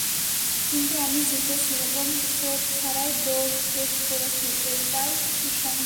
কিন্তু আমি জিতেছি এবং চোট ছাড়াই দৌড় শেষ করেছি, এটাই সুসংবাদ।